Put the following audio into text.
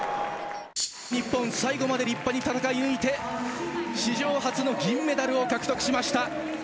日本、最後まで立派に戦い抜いて、史上初の銀メダルを獲得しました。